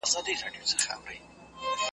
دومره مړه کي په ښارونو کي وګړي .